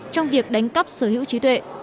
trong việc đánh cắp sở hữu trí tuệ